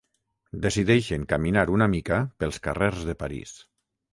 Decideixen caminar una mica pels carrers de París.